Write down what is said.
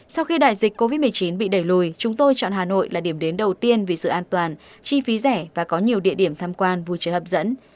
sau khi đại dịch covid một mươi chín bị đẩy lùi chúng tôi chọn hà nội là điểm đến đầu tiên vì sự an toàn chi phí rẻ và có nhiều địa điểm tham quan vui chơi hấp dẫn